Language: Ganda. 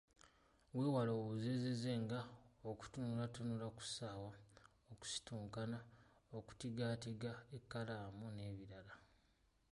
Weewale obuzeezeze nga; okutunulatunula ku ssaawa, okusitunkana, okutigaatiga ekkalaamu n'ebirala.